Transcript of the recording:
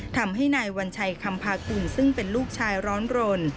ทำให้นายวัญชัยคำพากุลซึ่งเป็นลูกชายร้อนรน